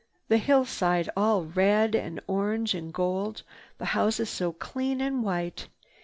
"The hillside all red, orange and gold, the houses so clean and white.